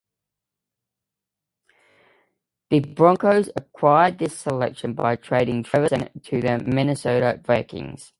The Broncos acquired this selection by trading Trevor Siemian to the Minnesota Vikings.